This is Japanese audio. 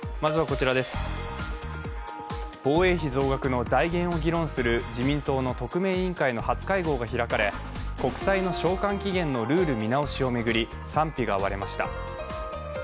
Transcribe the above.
防衛費増額の財源を議論する自民党の特命委員会の初会合が開かれ、国債の償還期限のルール見直しを巡り賛否が割れました。